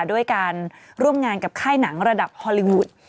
ด้วยการร่วมงานกับค่ายหนังระดับฮอลลีวูด